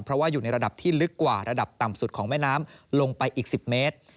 เพราะว่าอยู่ในระดับที่ลึกกว่าระดับต่ำสุดของแม่น้ำลงไปอีก๑๐เมตร